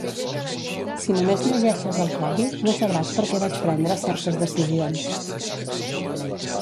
Si només llegeixes el codi, no sabràs per què vaig prendre certes decisions.